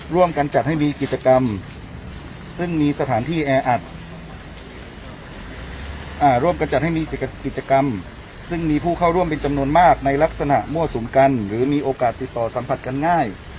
ร่วมกันจัดให้มีกิจกรรมซึ่งมีสถานที่แออัดร่วมกันจัดให้มีกิจกรรมซึ่งมีผู้เข้าร่วมเป็นจำนวนมากในลักษณะมั่วสุมกันหรือมีโอกาสติดต่อสัมผัสกันง่าย